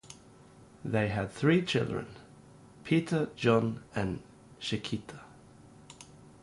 They had three children, Peter, John and Jaqueta.